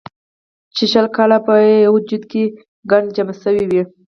چې شل کاله پۀ يو وجود کښې ګند جمع شوے وي